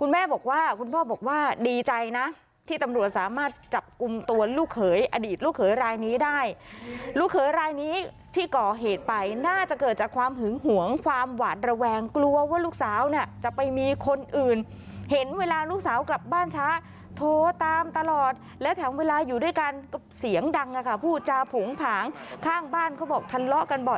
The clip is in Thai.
คุณแม่บอกว่าคุณพ่อบอกว่าดีใจนะที่ตำรวจสามารถจับกลุ่มตัวลูกเขยอดีตลูกเขยรายนี้ได้ลูกเขยรายนี้ที่ก่อเหตุไปน่าจะเกิดจากความหึงหวงความหวาดระแวงกลัวว่าลูกสาวเนี่ยจะไปมีคนอื่นเห็นเวลาลูกสาวกลับบ้านช้าโทรตามตลอดและแถมเวลาอยู่ด้วยกันก็เสียงดังค่ะพูดจาผูงผางข้างบ้านเขาบอกทะเลาะกันบ่อย